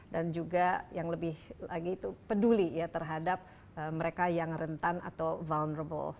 dan juga yang lebih lagi itu peduli ya terhadap mereka yang rentan atau vulnerable